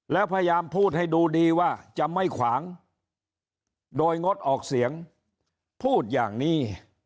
แล้วพยายามพูดให้ดูดีว่าจะไม่ขวางโดยงดออกเสียงพูดอย่างนี้